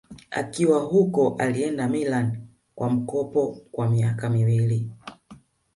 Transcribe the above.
Akiwa huko alienda Milan kwa mkopo kwa miaka miwili